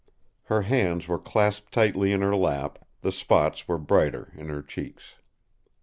Her hands were clasped tightly in her lap, the spots were brighter in her cheeks.